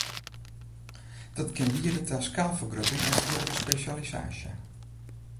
Dat kin liede ta skaalfergrutting en fierdere spesjalisaasje.